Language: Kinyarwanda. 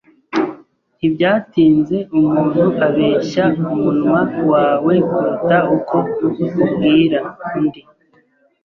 Ntibyatinze umuntu abeshya umunwa wawe kuruta uko ubwira undi.